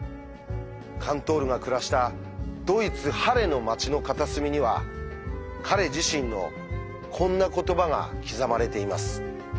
カントールが暮らしたドイツ・ハレの街の片隅には彼自身のこんな言葉が刻まれています。